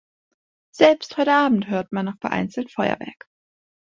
Selbst heute Abend hört man noch vereinzelt Feuerwerk.